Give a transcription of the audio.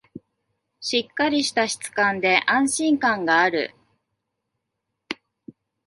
しっかりした質感で安心感がある